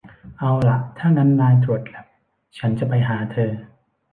เอาล่ะ ถ้างั้นนายตรวจแลป ฉันจะไปหาเธอ